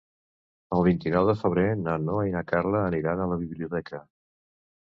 El vint-i-nou de febrer na Noa i na Carla aniran a la biblioteca.